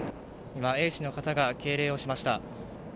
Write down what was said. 今、衛視の方が敬礼をしました。